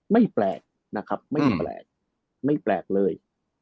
ไม่แปลกนะครับไม่แปลกเลย